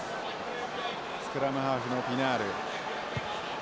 スクラムハーフのピナール。